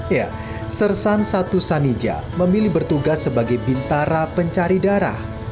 ya sersan satu sanija memilih bertugas sebagai bintara pencari darah